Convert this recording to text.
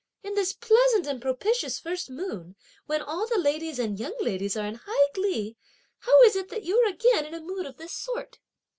"In this pleasant and propitious first moon, when all the ladies and young ladies are in high glee, how is it that you're again in a mood of this sort?"